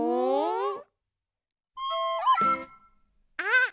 あ！